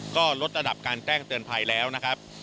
ก็ลดระดับการแจ้งเตือนภัยแล้วนะครับ